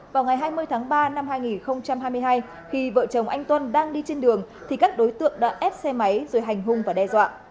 vào ngày hai mươi tháng ba năm hai nghìn hai mươi hai khi vợ chồng anh tuấn đang đi trên đường thì các đối tượng đã ép xe máy rồi hành hung và đe dọa